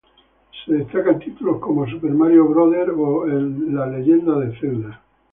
Se destacaban títulos como Super Mario brothers o el The Legend of Zelda.